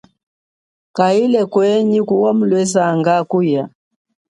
Kayile kwenyi kuwa mulwezanga kuya.